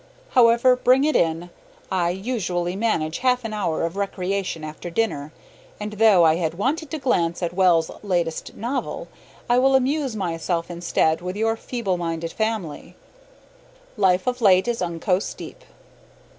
However, bring it in. I usually manage half an hour of recreation after dinner, and though I had wanted to glance at Wells's latest novel, I will amuse myself instead with your feeble minded family. Life of late is unco steep.